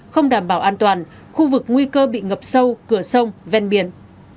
không đảm bảo an toàn khu vực nguy cơ bị ngập sâu cửa sông ven biển